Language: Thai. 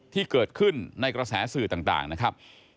ที่เกิดขึ้นในกระแสสื่อต่างนะครับ